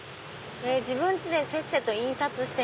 自分家でせっせと印刷して。